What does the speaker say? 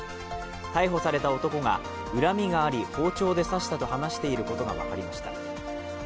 逮捕された男が恨みがあり包丁で刺したと話していることが分かりました。